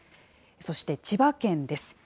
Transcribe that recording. そして千葉県です。